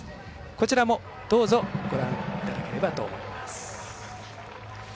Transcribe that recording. こちらも、どうぞご覧いただければと思います。